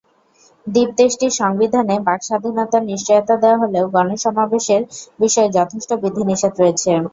দ্বীপ দেশটির সংবিধানে বাক্স্বাধীনতার নিশ্চয়তা দেওয়া হলেও গণসমাবেশের বিষয়ে যথেষ্ট বিধিনিষেধ রয়েছে।